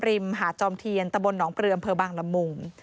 มหาดจอมเทียนตะบนหนองปลืออำเภอบางละมุง